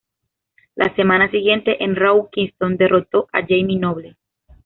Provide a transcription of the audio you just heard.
La semana siguiente en Raw, Kingston derrotó a Jamie Noble.